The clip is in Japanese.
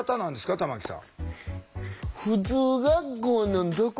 玉木さん。